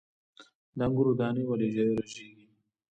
د انګورو دانې ولې رژیږي؟